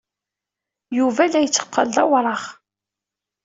Yuba la itteqqal d awraɣ.